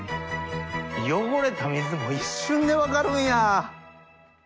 汚れた水も一瞬で分かるんや！